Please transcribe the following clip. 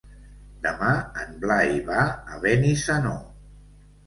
Demà en Blai va a Benissanó.